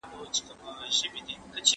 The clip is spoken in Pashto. د غلطۍ په وخت کې ماشوم ته سمه لاره وښایئ.